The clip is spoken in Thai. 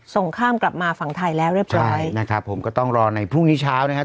ส่งข้ามกลับมาฝั่งไทยแล้วเรียบร้อยนะครับผมก็ต้องรอในพรุ่งนี้เช้านะครับ